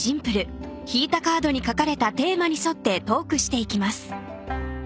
［引いたカードに書かれたテーマに沿ってトークしていきます］